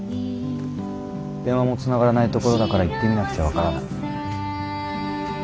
電話もつながらないところだから行ってみなくちゃ分からない。